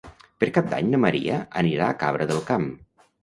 Per Cap d'Any na Maria anirà a Cabra del Camp.